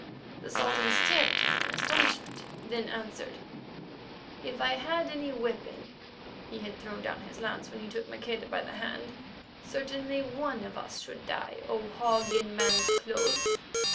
The Sultan stared at him in astonishment, then answered: "If I had any weapon (he had thrown down his lance when he took Maqueda by the hand), certainly one of us should die, O Hog in man's clothes."